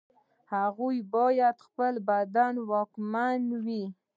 هغه باید پر خپل بدن واکمن وي.